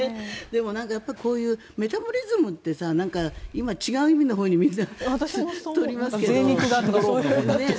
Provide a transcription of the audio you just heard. でもこういうメタボリズムって今、違う意味のほうに私もぜい肉とか。